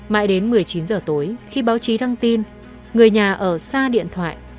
mãi đến một mươi chín h tối khi báo chí đăng tin người nhà ở xa điện thoại